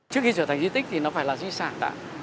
trước khi trở thành di tích thì nó phải là di sản đã